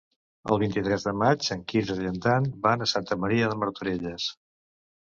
El vint-i-tres de maig en Quirze i en Dan van a Santa Maria de Martorelles.